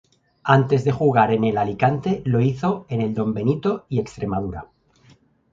Antes de jugar en el Alicante lo hizo en el Don Benito y Extremadura.